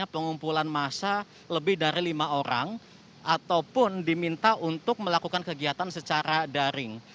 pengumpulan massa lebih dari lima orang ataupun diminta untuk melakukan kegiatan secara daring